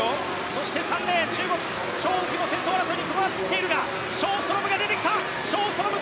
そして３レーン中国、チョウ・ウヒも先頭争いに加わっているがショーストロムが出てきた。